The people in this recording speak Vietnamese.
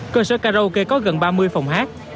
cơ sở karaoke có gần ba mươi phòng hát